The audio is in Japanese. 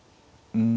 うん。